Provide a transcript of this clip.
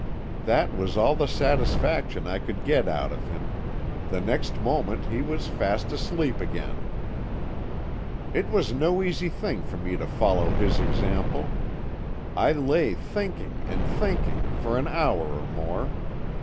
"That was all the satisfaction I could get out of him; the next moment he was fast asleep again. "It was no easy thing for me to follow his example. I lay thinking and thinking for an hour or more.